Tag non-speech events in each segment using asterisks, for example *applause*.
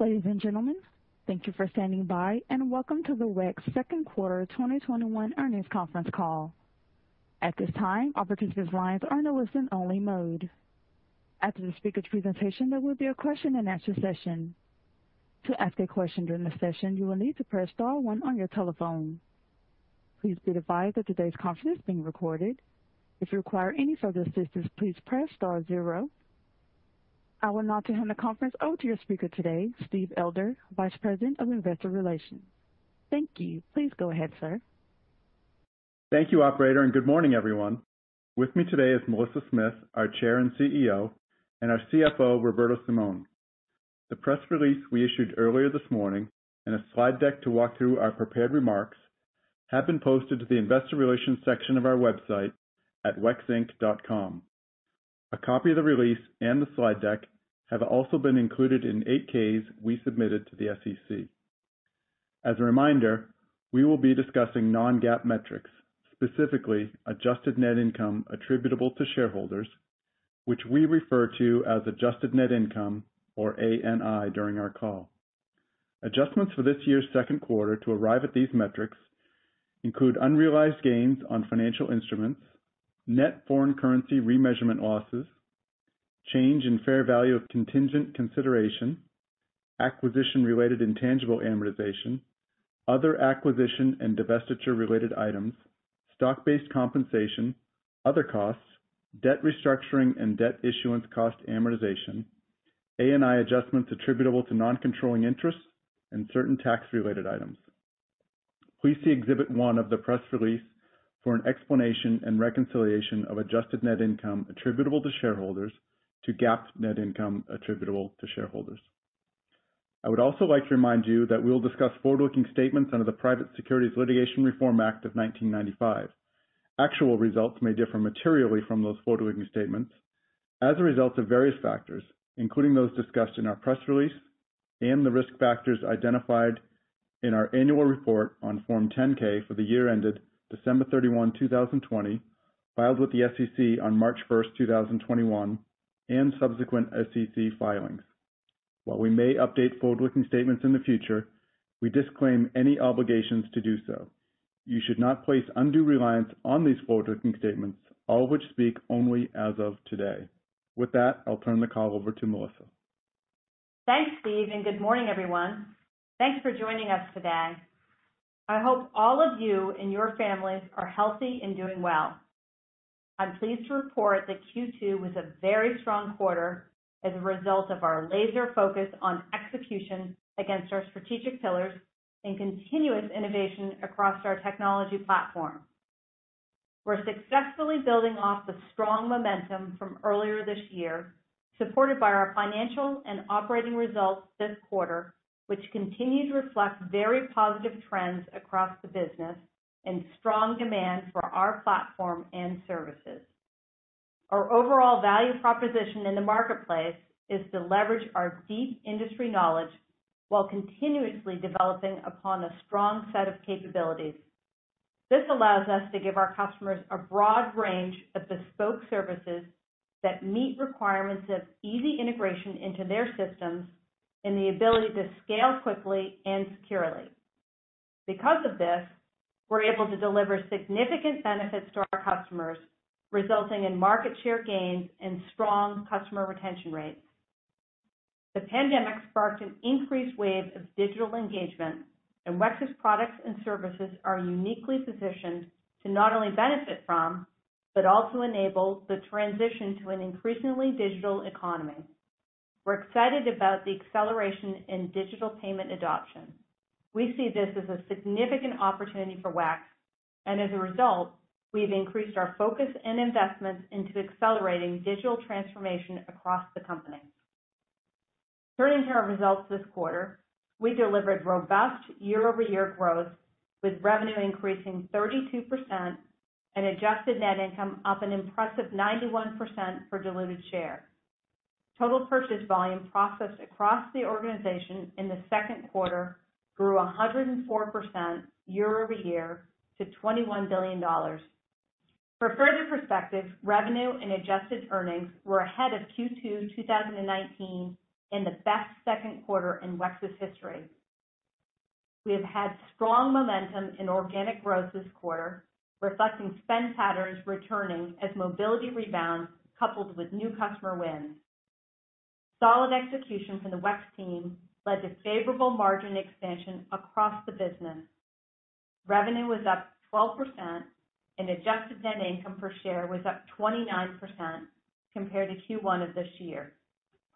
Ladies and gentlemen, thank you for standing by and welcome to the WEX second quarter 2021 earnings conference call. At this time, all participants' lines are in a listen-only mode. After the speaker's presentation, there will be a question and answer session. To ask a question during the session, you will need to press star one on your telephone. Please be advised that today's conference is being recorded. If you require any further assistance, please press star zero. I would now like to hand the conference over to your speaker today, Steve Elder, Vice President of Investor Relations. Thank you. Please go ahead, sir. Thank you, operator, good morning, everyone. With me today is Melissa Smith, our Chair and CEO, and our CFO, Roberto Simon. The press release we issued earlier this morning and a slide deck to walk through our prepared remarks have been posted to the investor relations section of our website at wexinc.com. A copy of the release and the slide deck have also been included in 8-Ks we submitted to the SEC. As a reminder, we will be discussing non-GAAP metrics, specifically adjusted net income attributable to shareholders, which we refer to as adjusted net income or ANI during our call. Adjustments for this year's second quarter to arrive at these metrics include unrealized gains on financial instruments, net foreign currency remeasurement losses, change in fair value of contingent consideration, acquisition-related intangible amortization, other acquisition and divestiture-related items, stock-based compensation, other costs, debt restructuring and debt issuance cost amortization, ANI adjustments attributable to non-controlling interests, and certain tax-related items. Please see Exhibit one of the press release for an explanation and reconciliation of adjusted net income attributable to shareholders to GAAP net income attributable to shareholders. I would also like to remind you that we'll discuss forward-looking statements under the Private Securities Litigation Reform Act of 1995. Actual results may differ materially from those forward-looking statements as a result of various factors, including those discussed in our press release and the risk factors identified in our annual report on Form 10-K for the year ended December 31, 2020, filed with the SEC on March 1st, 2021, and subsequent SEC filings. While we may update forward-looking statements in the future, we disclaim any obligations to do so. You should not place undue reliance on these forward-looking statements, all of which speak only as of today. With that, I'll turn the call over to Melissa. Thanks, Steve. Good morning, everyone. Thanks for joining us today. I hope all of you and your families are healthy and doing well. I'm pleased to report that Q2 was a very strong quarter as a result of our laser focus on execution against our strategic pillars and continuous innovation across our technology platform. We're successfully building off the strong momentum from earlier this year, supported by our financial and operating results this quarter, which continue to reflect very positive trends across the business and strong demand for our platform and services. Our overall value proposition in the marketplace is to leverage our deep industry knowledge while continuously developing upon a strong set of capabilities. This allows us to give our customers a broad range of bespoke services that meet requirements of easy integration into their systems and the ability to scale quickly and securely. Because of this, we're able to deliver significant benefits to our customers, resulting in market share gains and strong customer retention rates. The pandemic sparked an increased wave of digital engagement. WEX's products and services are uniquely positioned to not only benefit from but also enable the transition to an increasingly digital economy. We're excited about the acceleration in digital payment adoption. We see this as a significant opportunity for WEX. As a result, we've increased our focus and investments into accelerating digital transformation across the company. Turning to our results this quarter, we delivered robust year-over-year growth, with revenue increasing 32% and adjusted net income up an impressive 91% for diluted share. Total purchase volume processed across the organization in the second quarter grew 104% year-over-year to $21 billion. For further perspective, revenue and adjusted earnings were ahead of Q2 2019 and the best second quarter in WEX's history. We have had strong momentum in organic growth this quarter, reflecting spend patterns returning as mobility rebounds coupled with new customer wins. Solid execution from the WEX team led to favorable margin expansion across the business. Revenue was up 12% and adjusted net income per share was up 29% compared to Q1 of this year,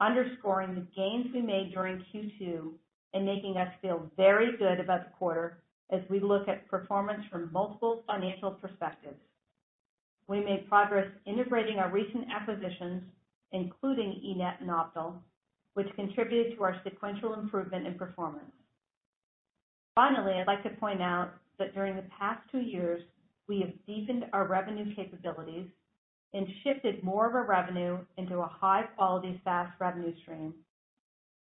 underscoring the gains we made during Q2 and making us feel very good about the quarter as we look at performance from multiple financial perspectives. We made progress integrating our recent acquisitions, including eNett and Optal, which contributed to our sequential improvement in performance. Finally, I'd like to point out that during the past two years, we have deepened our revenue capabilities and shifted more of our revenue into a high-quality SaaS revenue stream.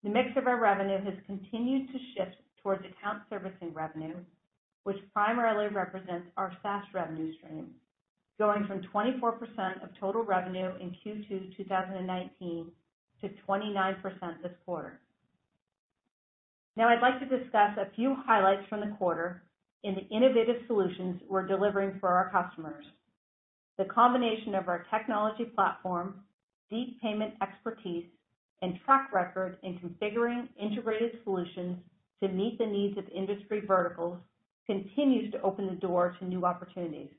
The mix of our revenue has continued to shift towards account servicing revenue, which primarily represents our SaaS revenue stream, going from 24% of total revenue in Q2 2019 to 29% this quarter. I'd like to discuss a few highlights from the quarter in the innovative solutions we're delivering for our customers. The combination of our technology platform, deep payment expertise, and track record in configuring integrated solutions to meet the needs of industry verticals continues to open the door to new opportunities.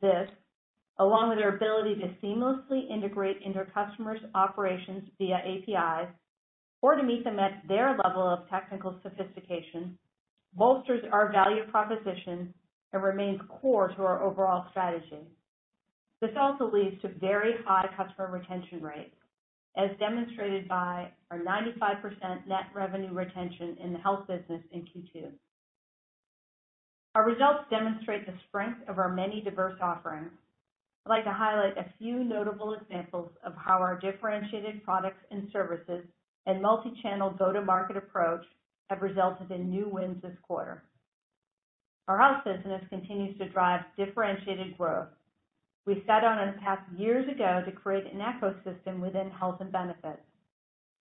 This, along with our ability to seamlessly integrate into customers' operations via APIs or to meet them at their level of technical sophistication, bolsters our value proposition and remains core to our overall strategy. This also leads to very high customer retention rates, as demonstrated by our 95% net revenue retention in the health business in Q2. Our results demonstrate the strength of our many diverse offerings. I'd like to highlight a few notable examples of how our differentiated products and services and multi-channel go-to-market approach have resulted in new wins this quarter. Our health business continues to drive differentiated growth. We set out on a path years ago to create an ecosystem within health and benefits.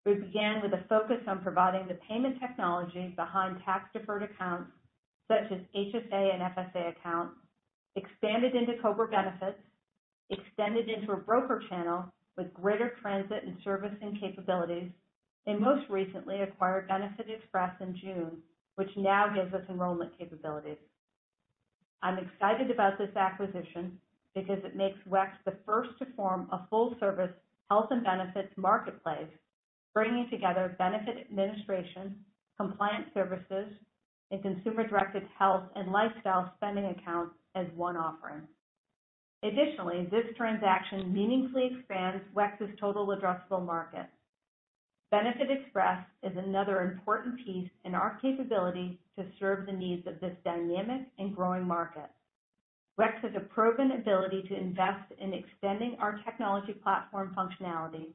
We began with a focus on providing the payment technology behind tax-deferred accounts such as HSA and FSA accounts, expanded into COBRA benefits, extended into a broker channel with greater transit and servicing capabilities, and most recently acquired benefitexpress in June, which now gives us enrollment capabilities. I'm excited about this acquisition because it makes WEX the first to form a full-service health and benefits marketplace, bringing together benefit administration, compliance services, and consumer-directed health and lifestyle spending accounts as one offering. Additionally, this transaction meaningfully expands WEX's total addressable market. benefitexpress is another important piece in our capability to serve the needs of this dynamic and growing market. WEX has a proven ability to invest in extending our technology platform functionality,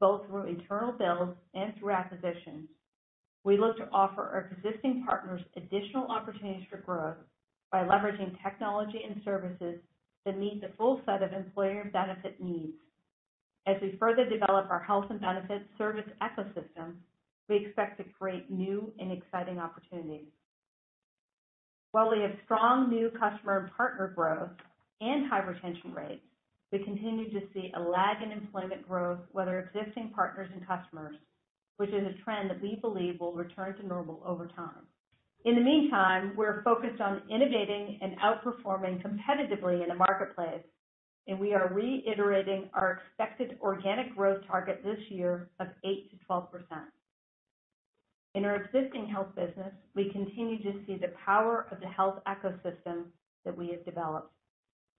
both through internal builds and through acquisitions. We look to offer our existing partners additional opportunities for growth by leveraging technology and services that meet the full set of employer benefit needs. As we further develop our health and benefits service ecosystem, we expect to create new and exciting opportunities. While we have strong new customer and partner growth and high retention rates, we continue to see a lag in employment growth with our existing partners and customers, which is a trend that we believe will return to normal over time. In the meantime, we're focused on innovating and outperforming competitively in the marketplace, and we are reiterating our expected organic growth target this year of 8% to 12%. In our existing Health business, we continue to see the power of the health ecosystem that we have developed.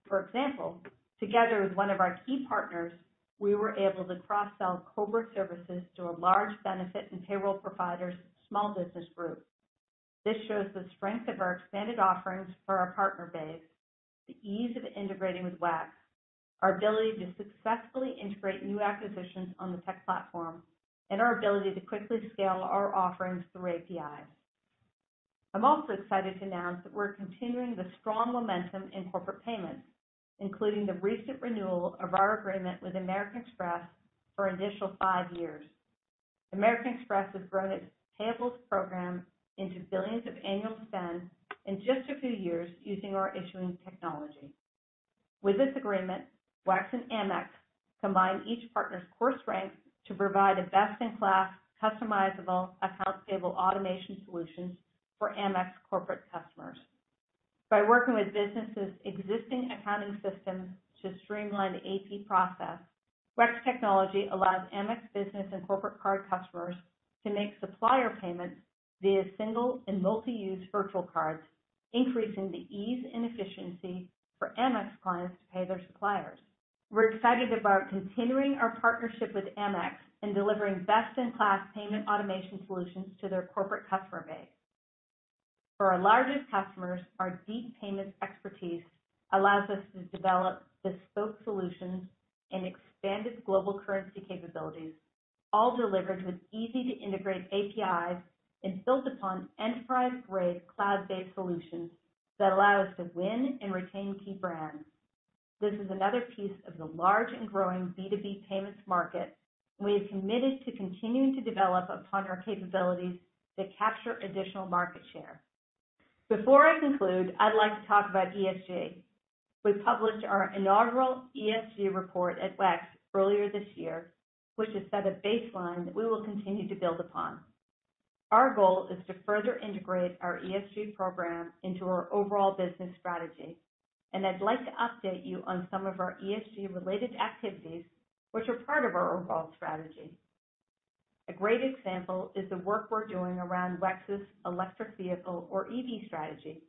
For example, together with one of our key partners, we were able to cross-sell COBRA services to a large benefit and payroll provider's small business group. This shows the strength of our expanded offerings for our partner base, the ease of integrating with WEX, our ability to successfully integrate new acquisitions on the tech platform, and our ability to quickly scale our offerings through APIs. I'm also excited to announce that we're continuing the strong momentum in corporate payments, including the recent renewal of our agreement with American Express for an additional five years. American Express has grown its payables program into billions of annual spend in just a few years using our issuing technology. With this agreement, WEX and Amex combine each partner's core strength to provide a best-in-class customizable accounts payable automation solutions for Amex corporate customers. By working with businesses' existing accounting systems to streamline the AP process, WEX technology allows Amex Business and corporate card customers to make supplier payments via single and multi-use virtual cards, increasing the ease and efficiency for Amex clients to pay their suppliers. We're excited about continuing our partnership with Amex and delivering best-in-class payment automation solutions to their corporate customer base. For our largest customers, our deep payments expertise allows us to develop bespoke solutions and expanded global currency capabilities, all delivered with easy-to-integrate APIs and built upon enterprise-grade cloud-based solutions that allow us to win and retain key brands. This is another piece of the large and growing B2B payments market, and we are committed to continuing to develop upon our capabilities to capture additional market share. Before I conclude, I'd like to talk about ESG. We published our inaugural ESG report at WEX earlier this year, which has set a baseline that we will continue to build upon. Our goal is to further integrate our ESG program into our overall business strategy, and I'd like to update you on some of our ESG-related activities which are part of our overall strategy. A great example is the work we're doing around WEX's electric vehicle, or EV strategy,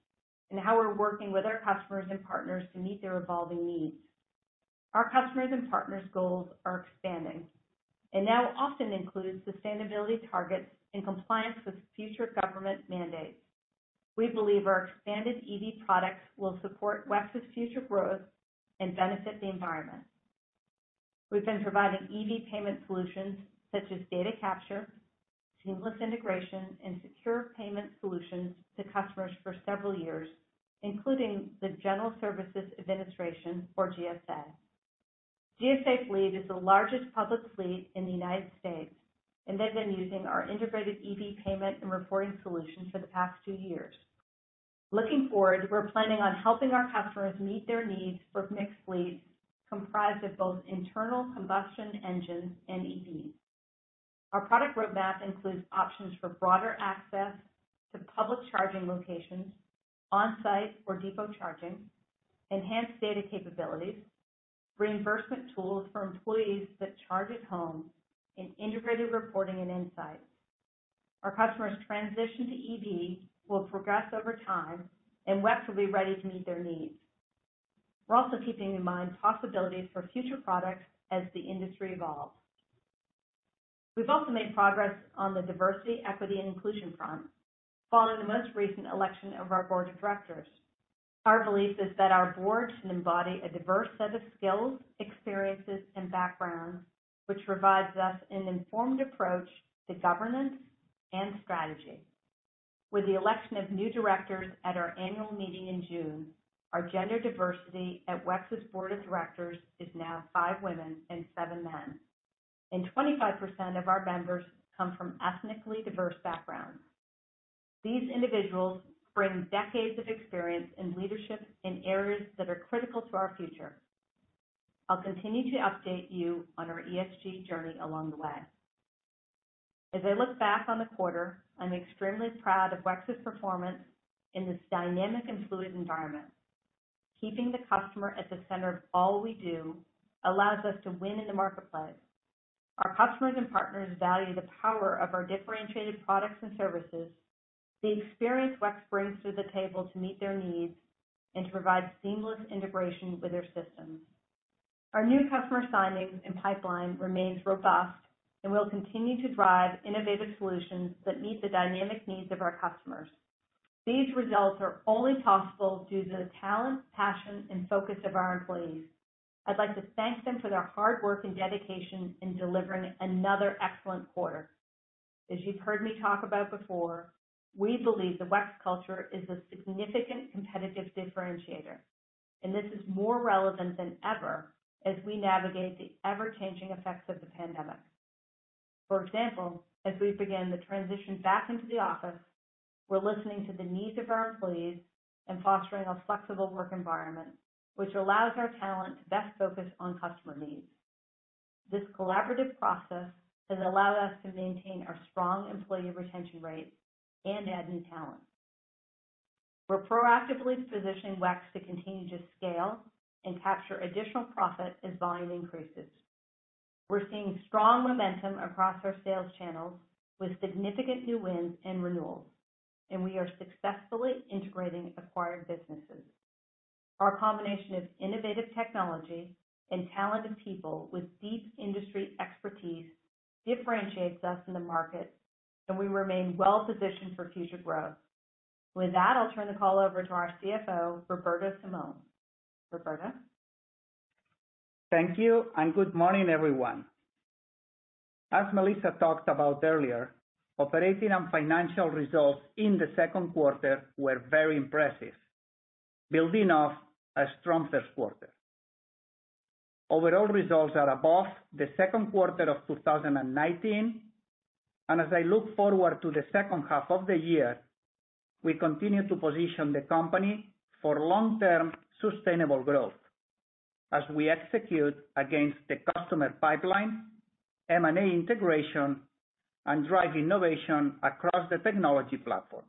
and how we're working with our customers and partners to meet their evolving needs. Our customers' and partners' goals are expanding and now often includes sustainability targets in compliance with future government mandates. We believe our expanded EV products will support WEX's future growth and benefit the environment. We've been providing EV payment solutions such as data capture, seamless integration, and secure payment solutions to customers for several years, including the General Services Administration, or GSA. GSA Fleet is the largest public fleet in the United States, and they've been using our integrated EV payment and reporting solution for the past two years. Looking forward, we're planning on helping our customers meet their needs for mixed fleets comprised of both internal combustion engines and EVs. Our product roadmap includes options for broader access to public charging locations, on-site or depot charging, enhanced data capabilities, reimbursement tools for employees that charge at home, and integrated reporting and insights. Our customers' transition to EV will progress over time, and WEX will be ready to meet their needs. We're also keeping in mind possibilities for future products as the industry evolves. We've also made progress on the diversity, equity, and inclusion front following the most recent election of our board of directors. Our belief is that our board should embody a diverse set of skills, experiences, and backgrounds, which provides us an informed approach to governance and strategy. With the election of new directors at our annual meeting in June, our gender diversity at WEX's board of directors is now five women and seven men, and 25% of our members come from ethnically diverse backgrounds. These individuals bring decades of experience in leadership in areas that are critical to our future. I'll continue to update you on our ESG journey along the way. As I look back on the quarter, I'm extremely proud of WEX's performance in this dynamic and fluid environment. Keeping the customer at the center of all we do allows us to win in the marketplace. Our customers and partners value the power of our differentiated products and services, the experience WEX brings to the table to meet their needs, and to provide seamless integration with their systems. Our new customer signings and pipeline remains robust and will continue to drive innovative solutions that meet the dynamic needs of our customers. These results are only possible due to the talent, passion, and focus of our employees. I'd like to thank them for their hard work and dedication in delivering another excellent quarter. As you've heard me talk about before, we believe the WEX culture is a significant competitive differentiator, and this is more relevant than ever as we navigate the ever-changing effects of the pandemic. For example, as we begin the transition back into the office, we're listening to the needs of our employees and fostering a flexible work environment, which allows our talent to best focus on customer needs. This collaborative process has allowed us to maintain our strong employee retention rates and add new talent. We're proactively positioning WEX to continue to scale and capture additional profit as volume increases. We're seeing strong momentum across our sales channels with significant new wins and renewals, and we are successfully integrating acquired businesses. Our combination of innovative technology and talented people with deep industry expertise differentiates us in the market, and we remain well positioned for future growth. With that, I'll turn the call over to our CFO, Roberto Simon. Roberto? Thank you. Good morning, everyone. As Melissa talked about earlier, operating and financial results in the second quarter were very impressive, building off a strong first quarter. Overall results are above the second quarter of 2019, as I look forward to the second half of the year, we continue to position the company for long-term sustainable growth as we execute against the customer pipeline, M&A integration, and drive innovation across the technology platform.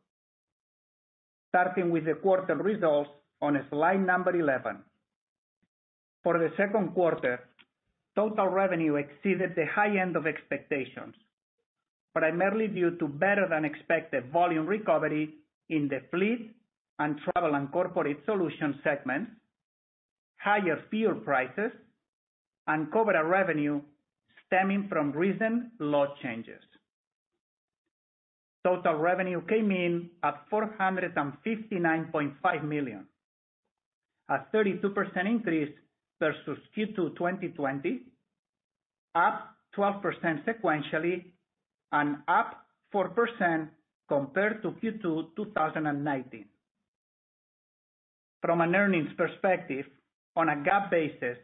Starting with the quarter results on slide number 11. For the second quarter, total revenue exceeded the high end of expectations, primarily due to better-than-expected volume recovery in the Fleet and Travel and Corporate Solutions segments, higher fuel prices, and corporate revenue stemming from recent law changes. Total revenue came in at $459.5 million, a 32% increase versus Q2 2020, up 12% sequentially, and up 4% compared to Q2 2019. From an earnings perspective, on a GAAP basis,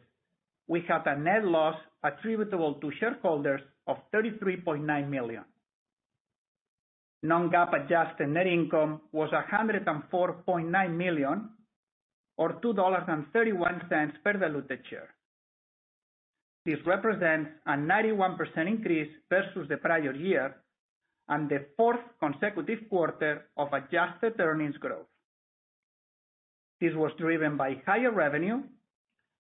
we had a net loss attributable to shareholders of $33.9 million. Non-GAAP adjusted net income was $104.9 million or $2.31 per diluted share. This represents a 91% increase versus the prior year and the fourth consecutive quarter of adjusted earnings growth. This was driven by higher revenue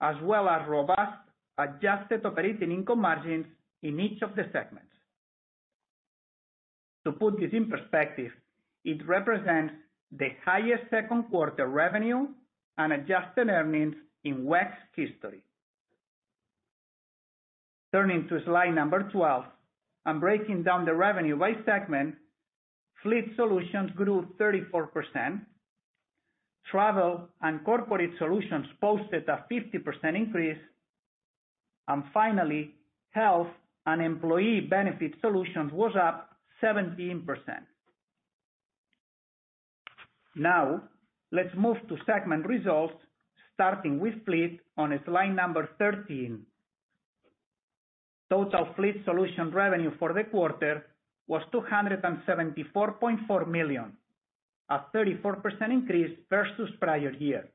as well as robust adjusted operating income margins in each of the segments. To put this in perspective, it represents the highest second quarter revenue and adjusted earnings in WEX history. Turning to slide number 12 and breaking down the revenue by segment, Fleet Solutions grew 34%, Travel & Corporate Solutions posted a 50% increase, and finally, Health and Employee Benefit Solutions was up 17%. Now let's move to segment results, starting with Fleet on slide number 13. Total Fleet Solutions revenue for the quarter was $274.4 million, a 34% increase versus prior year,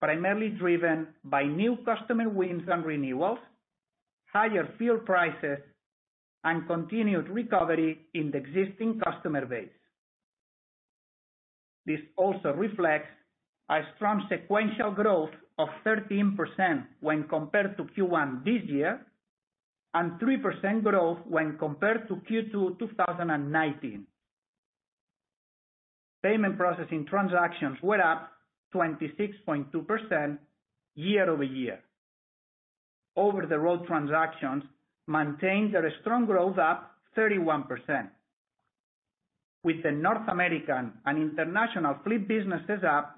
primarily driven by new customer wins and renewals, higher fuel prices, and continued recovery in the existing customer base. This also reflects a strong sequential growth of 13% when compared to Q1 this year, and 3% growth when compared to Q2 2019. Payment processing transactions were up 26.2% year-over-year. Over-the-road transactions maintained a strong growth up 31%, with the North American and international fleet businesses up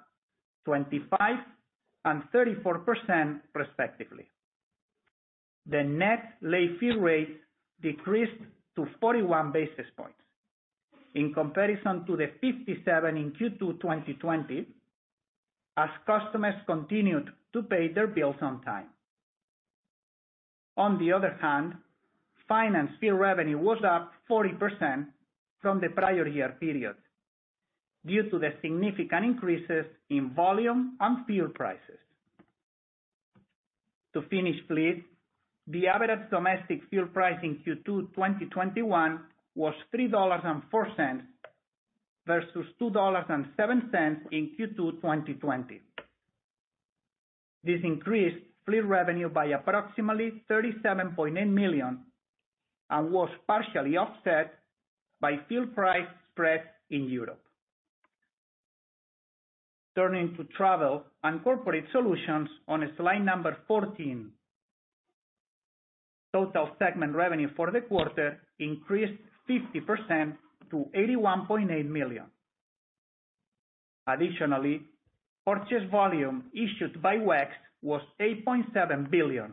25% and 34% respectively. The net late fee rate decreased to 41 basis points in comparison to the 57 basis points in Q2 2020, as customers continued to pay their bills on time. On the other hand, finance fee revenue was up 40% from the prior year period due to the significant increases in volume and fuel prices. To finish Fleet, the average domestic fuel price in Q2 2021 was $3.04 versus $2.07 in Q2 2020. This increased Fleet revenue by approximately $37.8 million and was partially offset by fuel price spreads in Europe. Turning to Travel & Corporate Solutions on slide 14. Total segment revenue for the quarter increased 50% to $81.8 million. Additionally, purchase volume issued by WEX was $8.7 billion,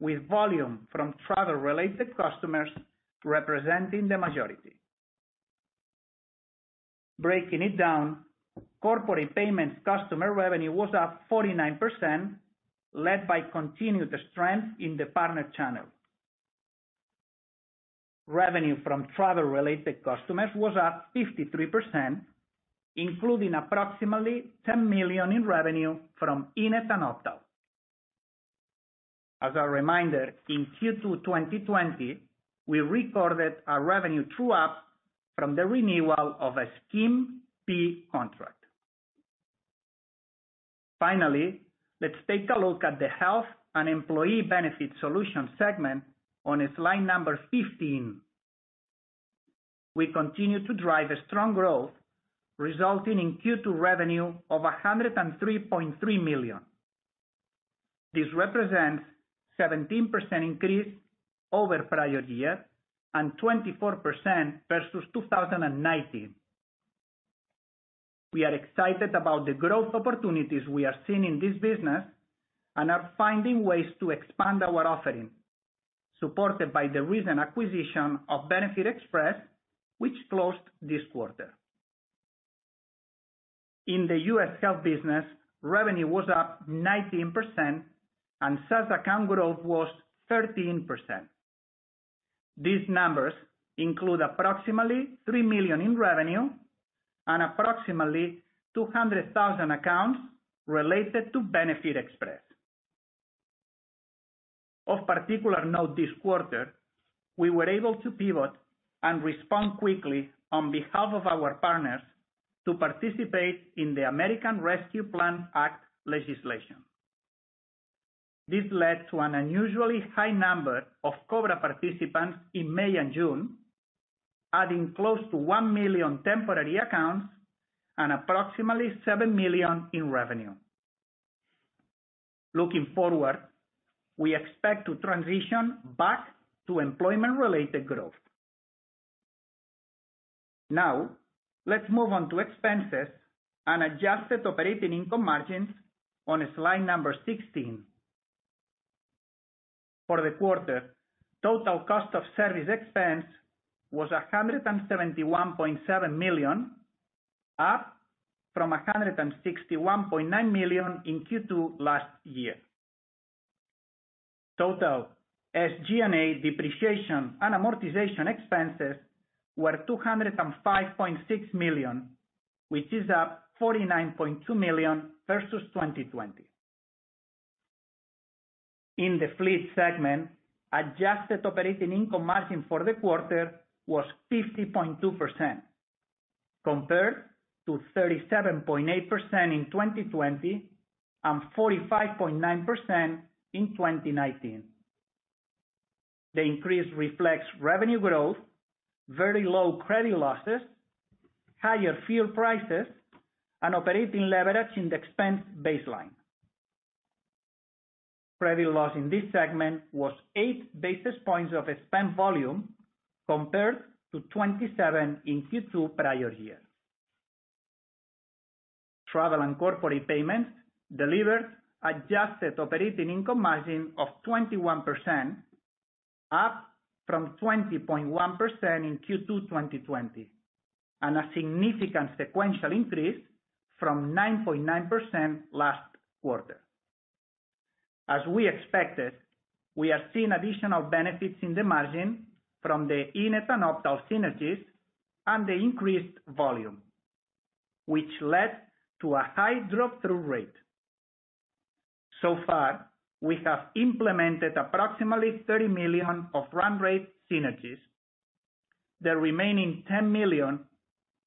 with volume from travel-related customers representing the majority. Breaking it down, corporate payments customer revenue was up 49%, led by continued strength in the partner channel. Revenue from travel-related customers was up 53%, including approximately $10 million in revenue from eNett and Optal. As a reminder, in Q2 2020, we recorded a revenue true-up from the renewal of a scheme fee contract. Finally, let's take a look at the Health and Employee Benefit Solutions segment on slide 15. We continue to drive a strong growth resulting in Q2 revenue of $103.3 million. This represents 17% increase over prior year and 24% versus 2019. We are excited about the growth opportunities we are seeing in this business and are finding ways to expand our offering, supported by the recent acquisition of benefitexpress, which closed this quarter. In the U.S. Health business, revenue was up 19% and SaaS account growth was 13%. These numbers include approximately $3 million in revenue and approximately 200,000 accounts related to benefitexpress. Of particular note this quarter, we were able to pivot and respond quickly on behalf of our partners to participate in the American Rescue Plan Act legislation. This led to an unusually high number of COBRA participants in May and June, adding close to 1 million temporary accounts and approximately $7 million in revenue. Looking forward, we expect to transition back to employment-related growth. Now, let's move on to expenses and adjusted operating income margins on slide 16. For the quarter, total cost of service expense was $171.7 million, up from $161.9 million in Q2 last year. Total SG&A depreciation and amortization expenses were $205.6 million, which is up $49.2 million versus 2020. In the Fleet segment, adjusted operating income margin for the quarter was 50.2% compared to 37.8% in 2020 and 45.9% in 2019. The increase reflects revenue growth, very low credit losses, higher fuel prices, and operating leverage in the expense baseline. Credit loss in this segment was 8 basis points of spend volume compared to 27 basis points in Q2 prior year. Travel and Corporate Solutions delivered adjusted operating income margin of 21%, up from 20.1% in Q2 2020, and a significant sequential increase from 9.9% last quarter. As we expected, we are seeing additional benefits in the margin from the eNett and Optal synergies and the increased volume, which led to a high drop-through rate. We have implemented approximately $30 million of run rate synergies. The remaining $10 million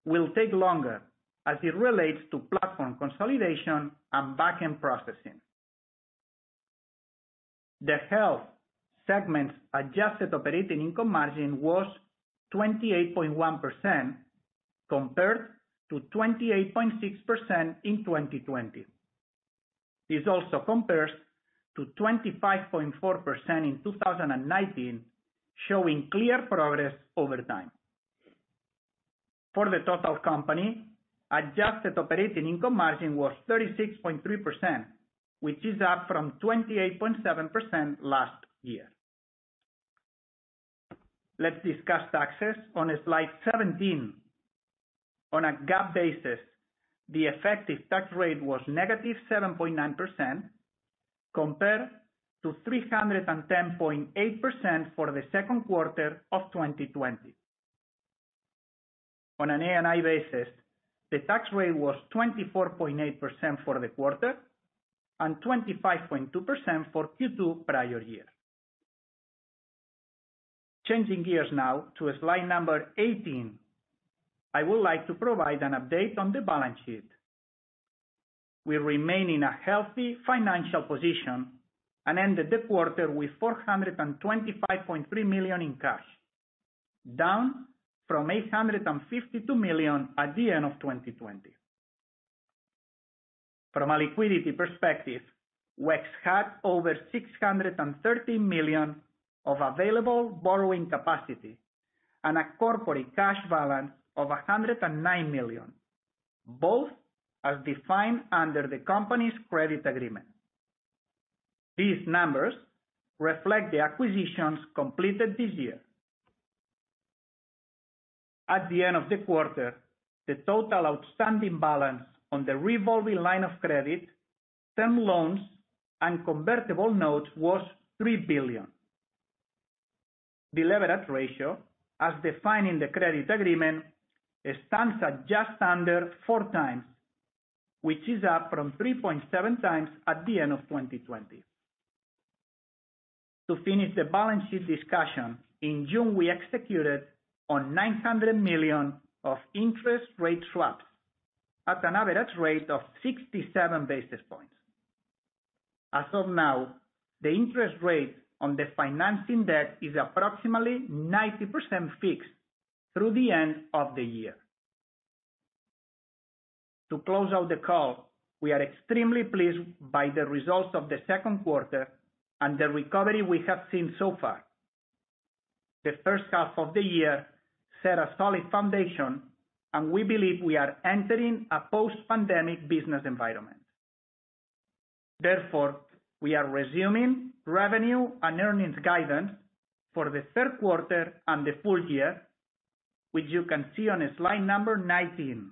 will take longer as it relates to platform consolidation and back-end processing. The Health segment's adjusted operating income margin was 28.1% compared to 28.6% in 2020. This also compares to 25.4% in 2019, showing clear progress over time. For the total company, adjusted operating income margin was 36.3%, which is up from 28.7% last year. Let's discuss taxes on slide 17. On a GAAP basis, the effective tax rate was -7.9% compared to 310.8% for the second quarter of 2020. On an ANI basis, the tax rate was 24.8% for the quarter and 25.2% for Q2 prior year. Changing gears now to slide number 18. I would like to provide an update on the balance sheet. We remain in a healthy financial position and ended the quarter with $425.3 million in cash, down from $852 million at the end of 2020. From a liquidity perspective, WEX had over $630 million of available borrowing capacity and a corporate cash balance of $109 million, both as defined under the company's credit agreement. These numbers reflect the acquisitions completed this year. At the end of the quarter, the total outstanding balance on the revolving line of credit, term loans, and convertible notes was $3 billion. The leverage ratio, as defined in the credit agreement, stands at just under 4x, which is up from 3.7x at the end of 2020. To finish the balance sheet discussion, in June, we executed on $900 million of interest rate swaps at an average rate of 67 basis points. As of now, the interest rate on the financing debt is approximately 90% fixed through the end of the year. To close out the call, we are extremely pleased by the results of the second quarter and the recovery we have seen so far. The first half of the year set a solid foundation, and we believe we are entering a post-pandemic business environment. Therefore, we are resuming revenue and earnings guidance for the third quarter and the full year, which you can see on slide number 19.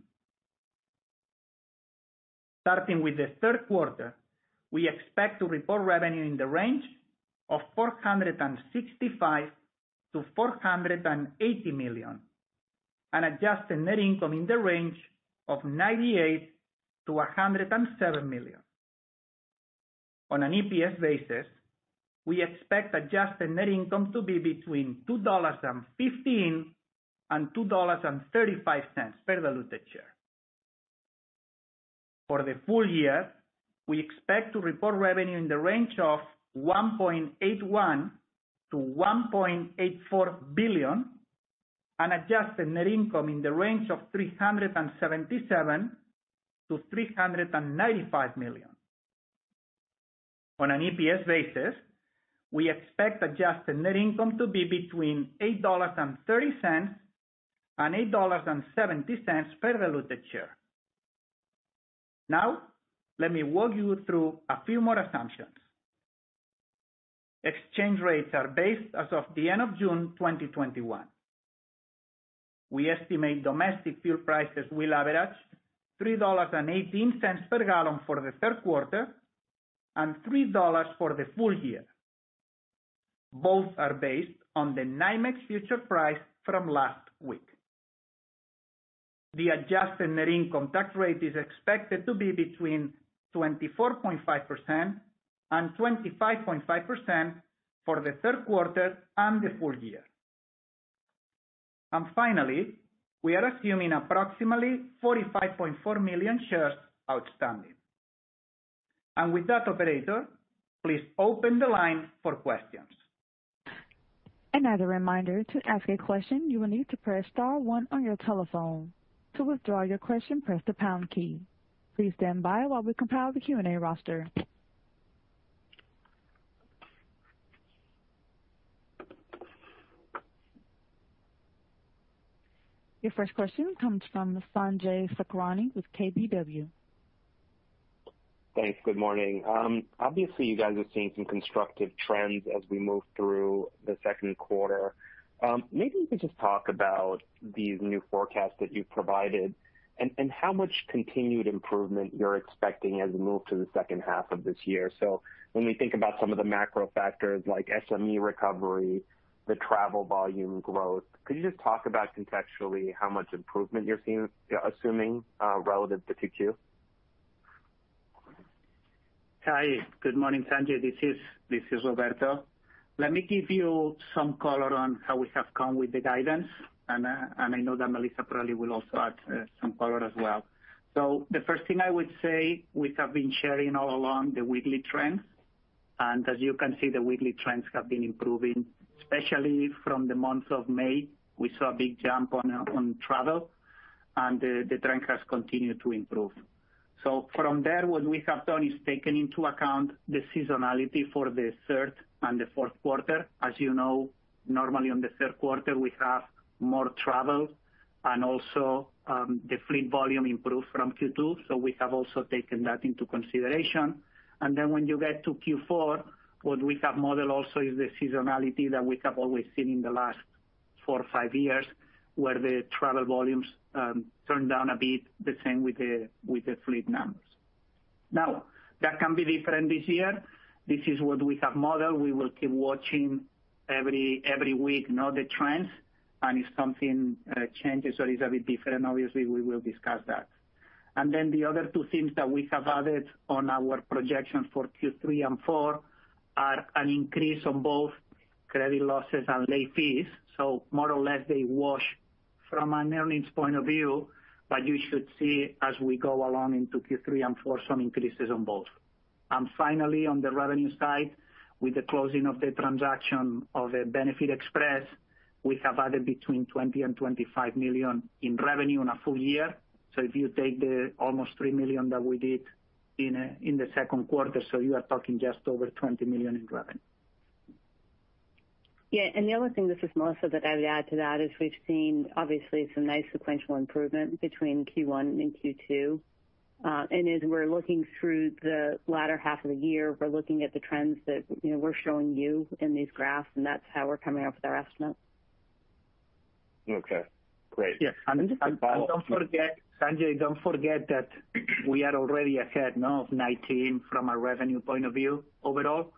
Starting with the third quarter, we expect to report revenue in the range of $465 million-$480 million, and adjusted net income in the range of $98 million-$107 million. On an EPS basis, we expect adjusted net income to be between $2.15 and $2.35 per diluted share. For the full year, we expect to report revenue in the range of $1.81 billion-$1.84 billion and adjusted net income in the range of $377 million-$395 million. On an EPS basis, we expect adjusted net income to be between $8.30 and $8.70 per diluted share. Now, let me walk you through a few more assumptions. Exchange rates are based as of the end of June 2021. We estimate domestic fuel prices will average $3.18 per gallon for the third quarter and $3 for the full year. Both are based on the NYMEX future price from last week. The adjusted net income tax rate is expected to be between 24.5% and 25.5% for the third quarter and the full year. Finally, we are assuming approximately 45.4 million shares outstanding. With that, operator, please open the line for questions. Another reminder, to ask a question, you will need to press star one on your telephone. To withdraw your question, press the pound key. Please stand by while we compile the Q&A roster. Your first question comes from Sanjay Sakhrani with KBW. Thanks. Good morning. Obviously, you guys are seeing some constructive trends as we move through the second quarter. Maybe you could just talk about these new forecasts that you've provided and how much continued improvement you're expecting as we move to the second half of this year. When we think about some of the macro factors like SME recovery, the Travel volume growth, could you just talk about contextually how much improvement you're assuming relative to 2Q? Hi. Good morning, Sanjay. This is Roberto. Let me give you some color on how we have come with the guidance, and I know that Melissa probably will also add some color as well. The first thing I would say, we have been sharing all along the weekly trends. As you can see, the weekly trends have been improving, especially from the month of May, we saw a big jump on travel, and the trend has continued to improve. From there, what we have done is taken into account the seasonality for the third and the fourth quarter. As you know, normally on the third quarter, we have more travel and also the fleet volume improved from Q2, so we have also taken that into consideration. When you get to Q4, what we have modeled also is the seasonality that we have always seen in the last four or five years, where the Travel volumes turn down a bit, the same with the fleet numbers. That can be different this year. This is what we have modeled. We will keep watching every week the trends, and if something changes or is a bit different, obviously, we will discuss that. The other two things that we have added on our projections for Q3 and Q4 are an increase on both credit losses and late fees. More or less they wash from an earnings point of view, but you should see as we go along into Q3 and Q4 some increases on both. Finally, on the revenue side, with the closing of the transaction of benefitexpress, we have added between $20 million and $25 million in revenue in a full year. If you take the almost $3 million that we did in the second quarter, so you are talking just over $20 million in revenue. Yeah, the other thing, this is Melissa, that I would add to that is we've seen, obviously, some nice sequential improvement between Q1 and Q2. As we're looking through the latter half of the year, we're looking at the trends that we're showing you in these graphs, and that's how we're coming up with our estimate. Okay. Great. Yeah. Don't forget, Sanjay, don't forget that we are already ahead of 2019 from a revenue point of view overall.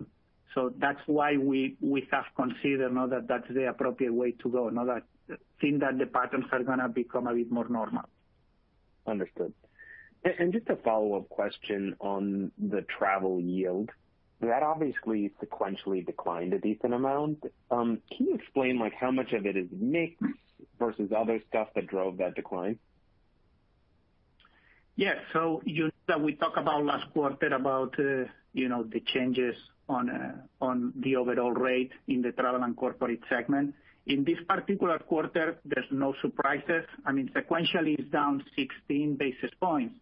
That's why we have considered that that's the appropriate way to go. Now that it seems that the patterns are going to become a bit more normal. Understood. Just a follow-up question on the Travel yield. That obviously sequentially declined a decent amount. Can you explain how much of it is mix versus other stuff that drove that decline? Yeah. You know that we talked about last quarter about the changes on the overall rate in the Travel and Corporate segment. In this particular quarter, there's no surprises. I mean, sequentially, it's down 16 basis points.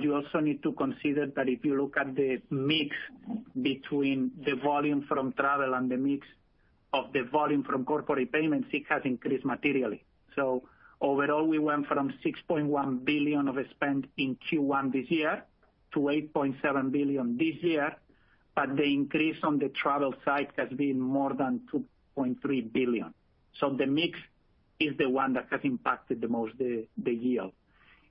You also need to consider that if you look at the mix between the volume from Travel and the mix of the volume from Corporate payments, it has increased materially. Overall, we went from $6.1 billion of spend in Q1 this year to $8.7 billion this year, but the increase on the Travel side has been more than $2.3 billion. The mix is the one that has impacted the most the yield.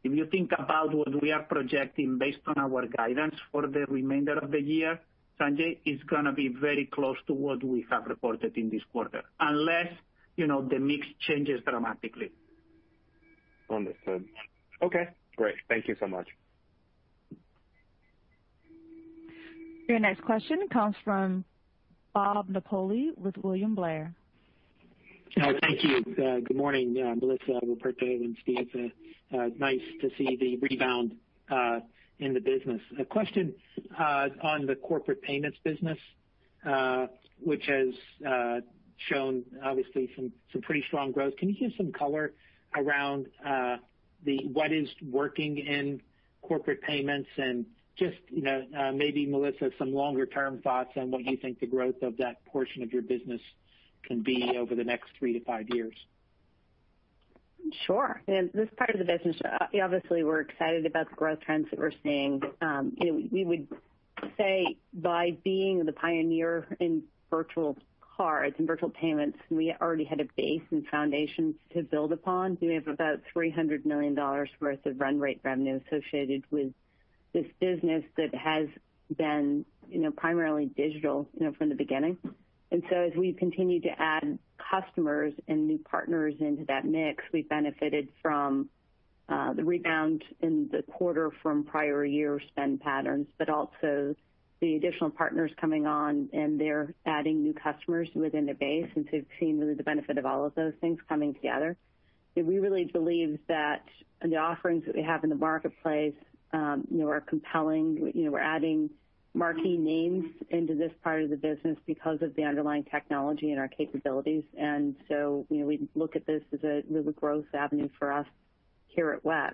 If you think about what we are projecting based on our guidance for the remainder of the year, Sanjay, it's going to be very close to what we have reported in this quarter, unless the mix changes dramatically. Understood. Okay, great. Thank you so much. Your next question comes from Bob Napoli with William Blair. Thank you. Good morning, Melissa, Roberto, and Steve. Nice to see the rebound in the business. A question on the corporate payments business, which has shown obviously some pretty strong growth. Can you give some color around what is working in corporate payments and just maybe, Melissa, some longer-term thoughts on what you think the growth of that portion of your business can be over the next three to five years? Sure. This part of the business, obviously, we're excited about the growth trends that we're seeing. We would say by being the pioneer in virtual cards and virtual payments, we already had a base and foundation to build upon. We have about $300 million worth of run rate revenue associated with this business that has been primarily digital from the beginning. As we continue to add customers and new partners into that mix, we benefited from the rebound in the quarter from prior year spend patterns, but also the additional partners coming on, and they're adding new customers within the base. You've seen really the benefit of all of those things coming together. We really believe that the offerings that we have in the marketplace are compelling. We're adding marquee names into this part of the business because of the underlying technology and our capabilities. We look at this as a really growth avenue for us here at WEX.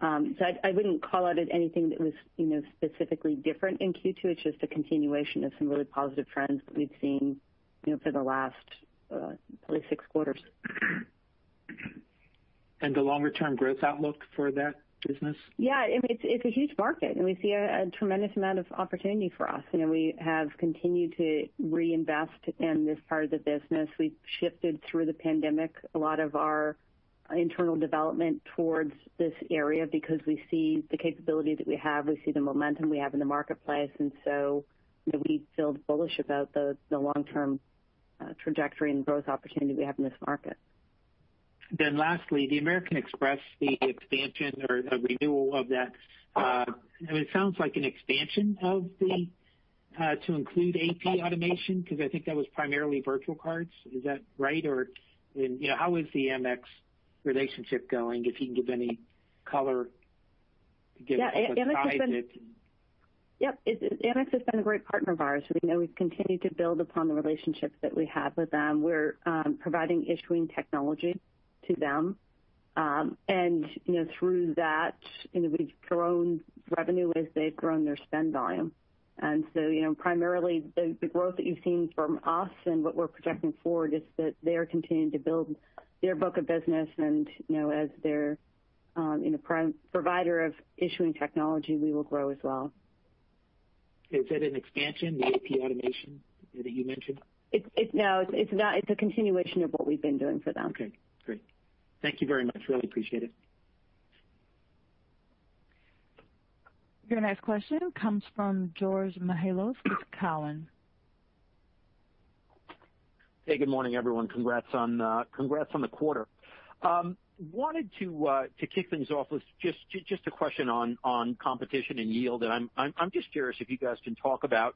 I wouldn't call out anything that was specifically different in Q2. It's just a continuation of some really positive trends that we've seen for the last probably six quarters. The longer-term growth outlook for that business? Yeah. It's a huge market, and we see a tremendous amount of opportunity for us. We have continued to reinvest in this part of the business. We've shifted, through the pandemic, a lot of our internal development towards this area because we see the capability that we have, we see the momentum we have in the marketplace, and so we feel bullish about the long-term trajectory and growth opportunity we have in this market. Lastly, the American Express, the expansion or the renewal of that. It sounds like an expansion to include AP automation because I think that was primarily virtual cards. Is that right? How is the Amex relationship going, if you can give any color to give us a size of it? Yep. Amex has been a great partner of ours. We've continued to build upon the relationships that we have with them. We're providing issuing technology to them. Through that, we've grown revenue-wise. They've grown their spend volume. Primarily the growth that you've seen from us and what we're projecting forward is that they're continuing to build their book of business, and as their provider of issuing technology, we will grow as well. Is it an expansion, the AP automation that you mentioned? No. It's a continuation of what we've been doing for them. Okay, great. Thank you very much. Really appreciate it. Your next question comes from George Mihalos with Cowen. Hey, good morning, everyone. Congrats on the quarter. Wanted to kick things off with just a question on competition and yield. I'm just curious if you guys can talk about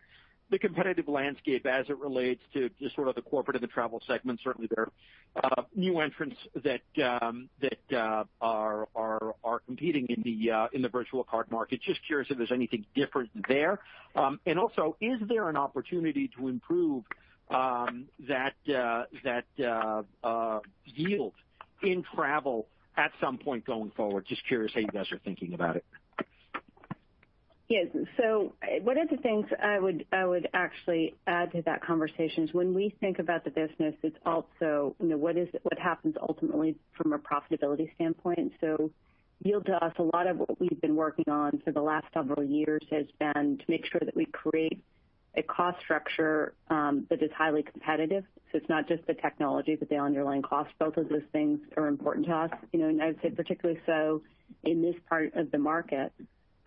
the competitive landscape as it relates to just sort of the corporate and the Travel segment. Certainly there are new entrants that are competing in the virtual card market. Just curious if there's anything different there. Also, is there an opportunity to improve that yield in Travel at some point going forward? Just curious how you guys are thinking about it. Yes. One of the things I would actually add to that conversation is when we think about the business, it's also what happens ultimately from a profitability standpoint? Yield to us, a lot of what we've been working on for the last several years has been to make sure that we create a cost structure that is highly competitive. It's not just the technology, but the underlying cost. Both of those things are important to us, and I would say particularly so in this part of the market.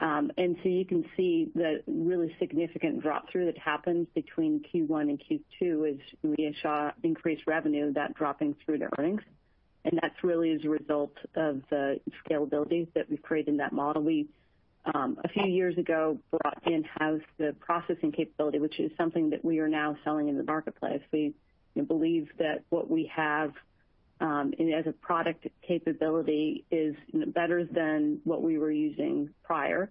You can see the really significant drop-through that happens between Q1 and Q2 as we saw increased revenue, that dropping through to earnings. That really is a result of the scalability that we've created in that model. We, a few years ago, brought in-house the processing capability, which is something that we are now selling in the marketplace. We believe that what we have as a product capability is better than what we were using prior.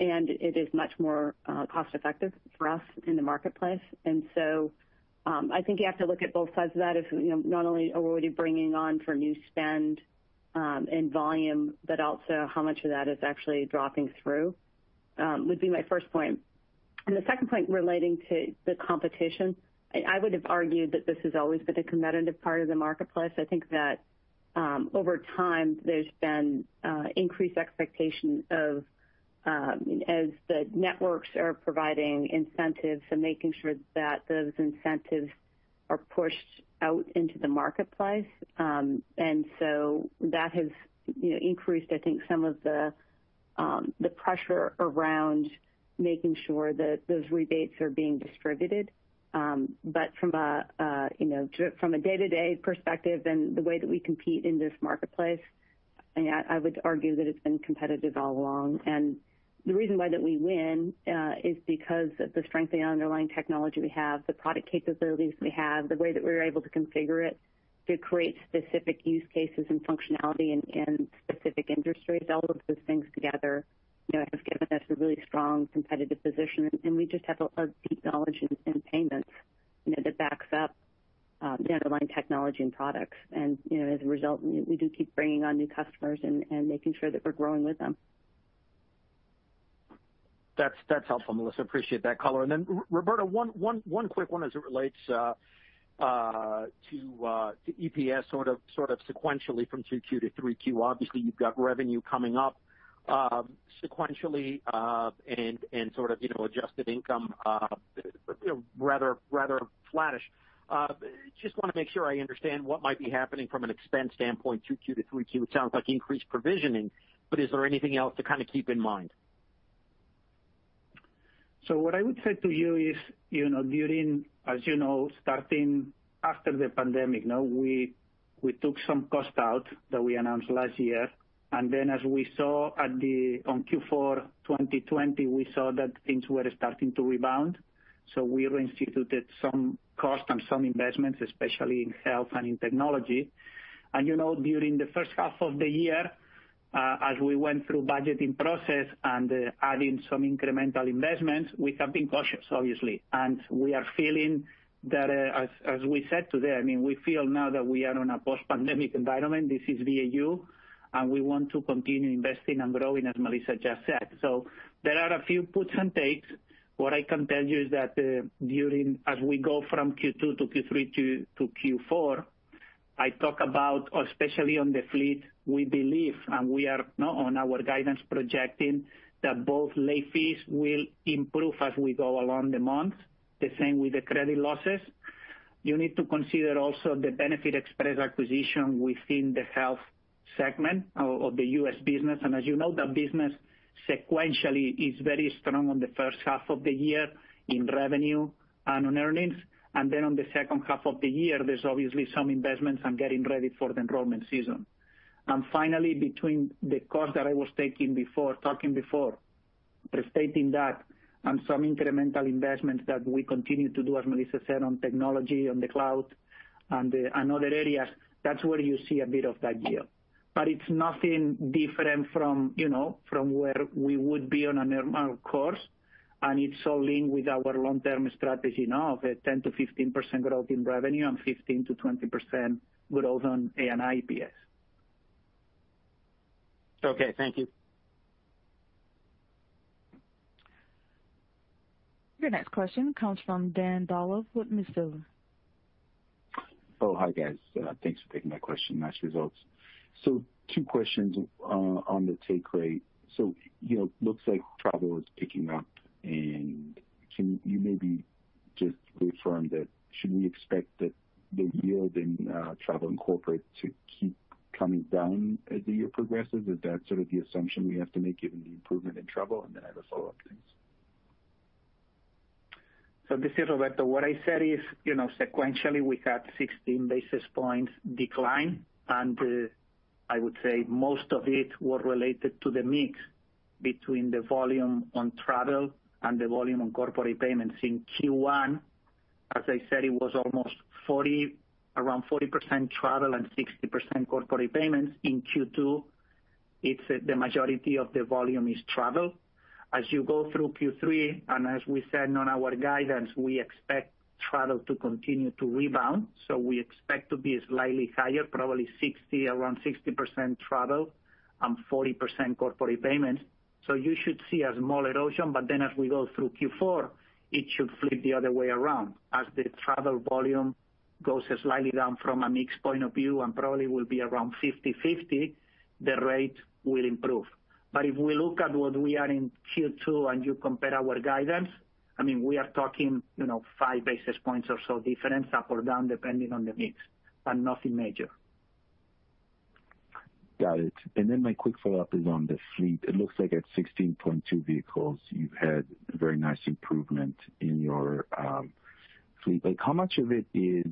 It is much more cost-effective for us in the marketplace. I think you have to look at both sides of that as, not only are what are you bringing on for new spend and volume, but also how much of that is actually dropping through, would be my first point. The second point relating to the competition, I would've argued that this has always been a competitive part of the marketplace. I think that over time, there's been increased expectation of as the networks are providing incentives and making sure that those incentives are pushed out into the marketplace. That has increased, I think, some of the pressure around making sure that those rebates are being distributed. From a day-to-day perspective and the way that we compete in this marketplace, I would argue that it's been competitive all along. The reason why that we win is because of the strength of the underlying technology we have, the product capabilities we have, the way that we're able to configure it to create specific use cases and functionality in specific industries. All of those things together have given us a really strong competitive position, and we just have a deep knowledge in payments that backs up the underlying technology and products. As a result, we do keep bringing on new customers and making sure that we're growing with them. That's helpful, Melissa. Appreciate that color. Roberto, one quick one as it relates to EPS sort of sequentially from Q2 to Q3. Obviously, you've got revenue coming up sequentially, and sort of adjusted income rather flatish. Just want to make sure I understand what might be happening from an expense standpoint, Q2 to Q3. It sounds like increased provisioning, but is there anything else to kind of keep in mind? What I would say to you is during, as you know, starting after the pandemic now, we took some cost out that we announced last year. As we saw on Q4 2020, we saw that things were starting to rebound. We reinstituted some cost and some investments, especially in health and in technology. During the first half of the year, as we went through budgeting process and adding some incremental investments, we have been cautious, obviously. We are feeling that, as we said today, we feel now that we are in a post-pandemic environment. This is BAU, and we want to continue investing and growing, as Melissa just said. There are a few puts and takes. What I can tell you is that as we go from Q2 to Q3 to Q4, I talk about, especially on the fleet, we believe, and we are now on our guidance projecting that both late fees will improve as we go along the months. The same with the credit losses. You need to consider also the benefitexpress acquisition within the Health segment of the U.S. business. As you know, that business sequentially is very strong on the first half of the year in revenue and on earnings. On the second half of the year, there's obviously some investments on getting ready for the enrollment season. Finally, between the cost that I was talking before, restating that and some incremental investments that we continue to do, as Melissa said, on technology, on the cloud and other areas, that's where you see a bit of that yield, but it's nothing different from where we would be on a normal course, and it's all in with our long-term strategy now of a 10% to 15% growth in revenue and 15% to 20% growth on ANI EPS. Okay, thank you. Your next question comes from Dan Dolev with Mizuho. Hi, guys. Thanks for taking my question. Nice results. Two questions on the take rate. Looks like Travel is picking up, can you maybe just reaffirm that should we expect that the yield in Travel and Corporate to keep coming down as the year progresses? Is that sort of the assumption we have to make given the improvement in travel? I have a follow-up to this. This is Roberto. What I said is sequentially, we had 16 basis points decline, and I would say most of it was related to the mix between the volume on Travel and the volume on corporate payments. In Q1, as I said, it was almost around 40% Travel and 60% corporate payments. In Q2, the majority of the volume is travel. As you go through Q3, and as we said on our guidance, we expect Travel to continue to rebound. We expect to be slightly higher, probably around 60% Travel and 40% corporate payments. You should see a small erosion, as we go through Q4, it should flip the other way around. As the Travel volume goes slightly down from a mix point of view and probably will be around 50/50, the rate will improve. If we look at what we are in Q2 and you compare our guidance, we are talking 5 basis points or so difference up or down depending on the mix, but nothing major. Got it. My quick follow-up is on the fleet. It looks like at 16.2 vehicles, you've had very nice improvement in your fleet. How much of it is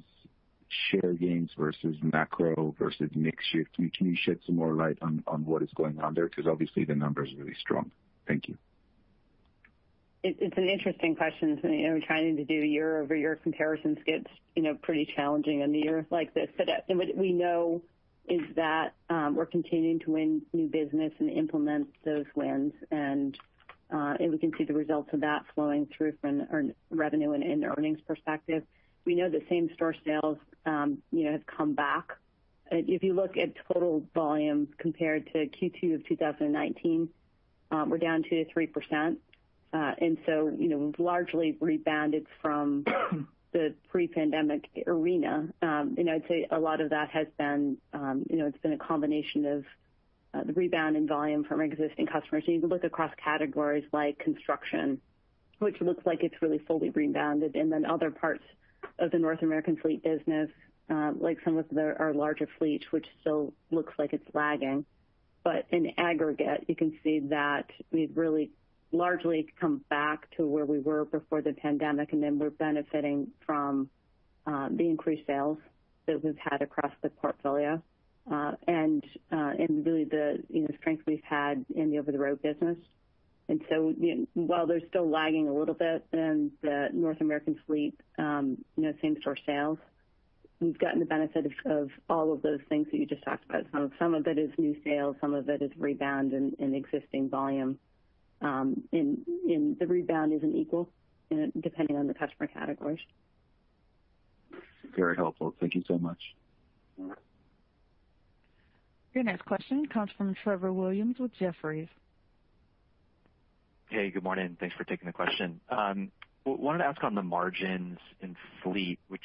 share gains versus macro versus mix shift? Can you shed some more light on what is going on there? Obviously the number is really strong. Thank you. It's an interesting question. Trying to do year-over-year comparisons gets pretty challenging in a year like this. What we know is that we're continuing to win new business and implement those wins, and we can see the results of that flowing through from revenue and earnings perspective. We know that same-store sales have come back. If you look at total volumes compared to Q2 of 2019, we're down 2%-3%. Largely rebounded from the pre-pandemic arena. I'd say a lot of that it's been a combination of the rebound in volume from existing customers. You can look across categories like construction, which looks like it's really fully rebounded, and then other parts of the North American fleet business like some of our larger fleets, which still looks like it's lagging. In aggregate, you can see that we've really largely come back to where we were before the pandemic, and then we're benefiting from the increased sales that we've had across the portfolio, and really the strength we've had in the over-the-road business. While they're still lagging a little bit in the North American fleet same-store sales, we've gotten the benefit of all of those things that you just talked about. Some of it is new sales, some of it is rebound in existing volume. The rebound isn't equal depending on the customer categories. Very helpful. Thank you so much. Your next question comes from Trevor Williams with Jefferies. Hey, good morning. Thanks for taking the question. Wanted to ask on the margins in Fleet, which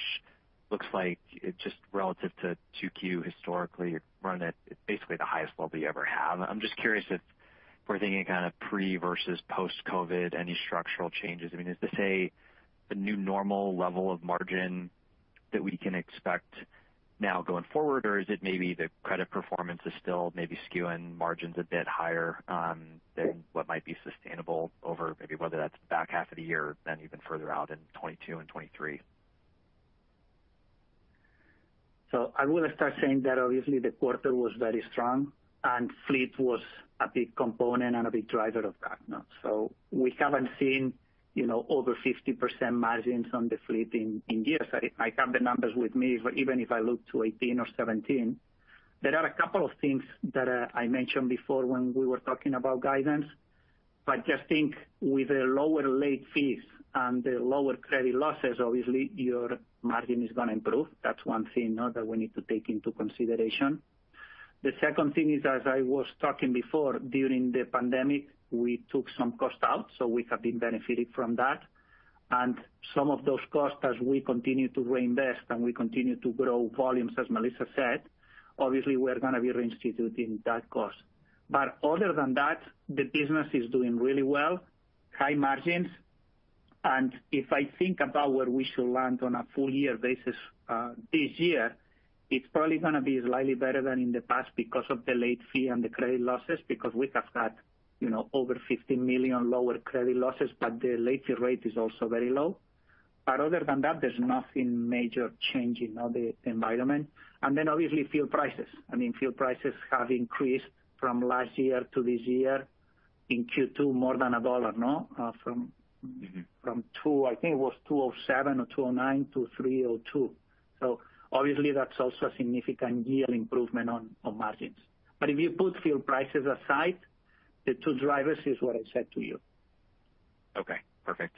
looks like it just relative to 2Q historically, you're running at basically the highest level you ever have. I'm just curious if we're thinking kind of pre- versus post-COVID, any structural changes? I mean, is this a new normal level of margin that we can expect now going forward, or is it maybe the credit performance is still maybe skewing margins a bit higher than what might be sustainable over maybe whether that's back half of the year, then even further out in 2022 and 2023? I'm going to start saying that obviously the quarter was very strong and Fleet was a big component and a big driver of that. We haven't seen over 50% margins on the Fleet in years. I have the numbers with me. Even if I look to 2018 or 2017, there are a couple of things that I mentioned before when we were talking about guidance. Just think with the lower late fees and the lower credit losses, obviously your margin is going to improve. That's one thing that we need to take into consideration. The second thing is, as I was talking before, during the pandemic, we took some cost out, so we have been benefiting from that. Some of those costs, as we continue to reinvest and we continue to grow volumes, as Melissa said, obviously we are going to be reinstituting that cost. Other than that, the business is doing really well, high margins, and if I think about where we should land on a full year basis this year, it's probably going to be slightly better than in the past because of the late fee and the credit losses because we have had over $15 million lower credit losses, but the late fee rate is also very low. Other than that, there's nothing major change in the environment. Obviously fuel prices. I mean, fuel prices have increased from last year to this year in Q2 more than a dollar. *inaudible* I think it was $2.07 or $2.09 to $3.02. Obviously that's also a significant year improvement on margins. If you put fuel prices aside, the two drivers is what I said to you. Okay, perfect.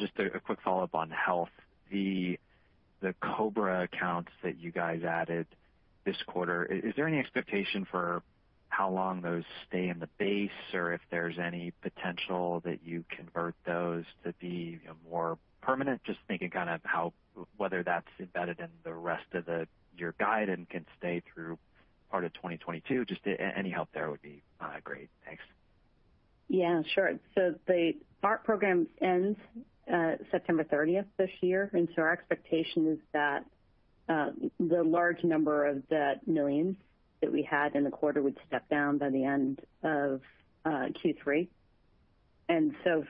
Just a quick follow-up on Health. The COBRA accounts that you guys added this quarter, is there any expectation for how long those stay in the base? If there's any potential that you convert those to be more permanent? Just thinking kind of whether that's embedded in the rest of your guide and can stay through part of 2022. Just any help there would be great. Thanks. Yeah, sure. Our program ends September 30th this year, and so our expectation is that the large number of the millions that we had in the quarter would step down by the end of Q3.